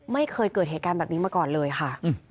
ไม่เคยเกิดเหตุการณ์แบบนี้มาก่อนเลยค่ะ